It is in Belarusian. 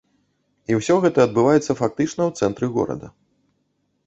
І ўсё гэта адбываецца фактычна ў цэнтры горада.